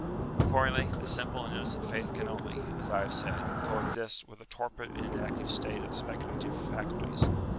Accordingly, this simple and innocent faith can only, as I have said, co exist with a torpid and inactive state of the speculative faculties.